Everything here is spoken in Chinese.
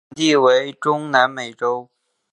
产地为中南美洲。